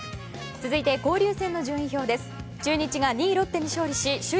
続いて、交流戦の順位表です。